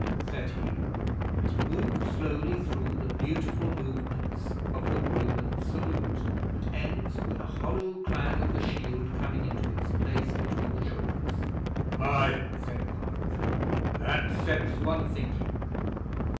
said he; and he moved slowly through the beautiful movements of the Roman Salute, that ends with a hollow clang of the shield coming into its place between the shoulders. 'Hai!' said Puck. 'That sets one thinking!'